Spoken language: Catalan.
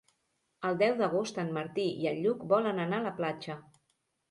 El deu d'agost en Martí i en Lluc volen anar a la platja.